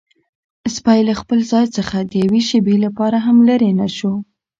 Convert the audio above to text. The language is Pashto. سپی له خپل ځای څخه د یوې شېبې لپاره هم لیرې نه شو.